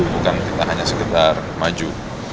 bukan kita hanya sekedar maju